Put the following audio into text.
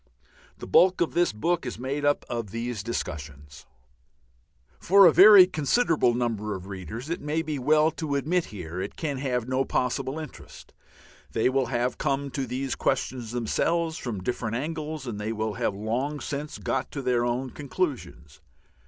The bulk of this book is made up of these discussions. For a very considerable number of readers, it may be well to admit here, it can have no possible interest; they will have come at these questions themselves from different angles and they will have long since got to their own conclusions.